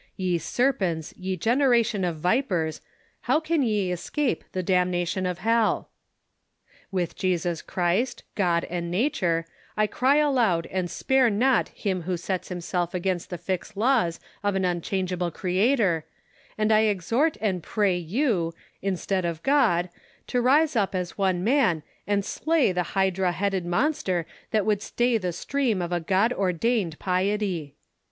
'' Ye serpents, ye generation of vipers, how can ye escape the damnation of hell." With Jesus Christ, God and nature, I cry aloud and spare not him who sets himself against the fixed laws of an unchangeable Creator, and 1 exliort and pray you^ in stead of God, to rise up as one man and slay the hydra THE CONSPIRATORS AXD LOVERS. 57 headed monster that would stay the stream of a God ordained piety.